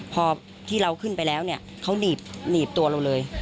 พอที่เราขึ้นไปแล้วเนี่ยเขาหนีบตัวเราเลย